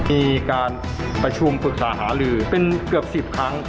มีการประชุมปรึกษาหาลือเป็นเกือบ๑๐ครั้ง